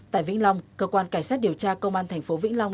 tại vĩnh long cơ quan cảnh sát điều tra công an thành phố vĩnh long